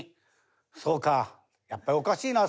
「そうかやっぱりおかしいな最近」。